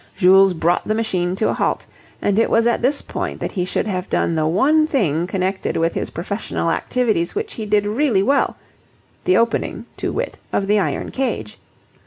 Jules brought the machine to a halt: and it was at this point that he should have done the one thing connected with his professional activities which he did really well the opening, to wit, of the iron cage.